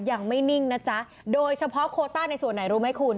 นิ่งนะจ๊ะโดยเฉพาะโคต้าในส่วนไหนรู้ไหมคุณ